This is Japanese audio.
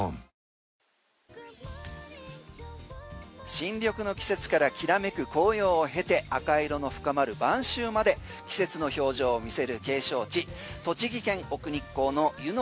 新緑の季節からきらめく紅葉を経て赤色の深まる晩秋まで季節の表情を見せる景勝地、栃木県・奥日光の湯ノ